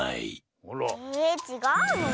えちがうの？